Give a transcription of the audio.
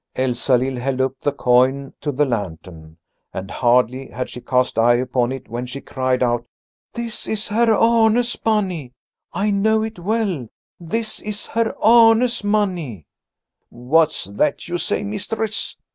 Elsalill held up the coin to the lantern, and hardly had she cast eye upon it when she cried out: "This is Herr Arne's money! I know it well. This is Herr Arne's money!" "What's that you say, mistress?"